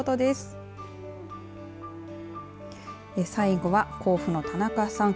最後は甲府の田中さん。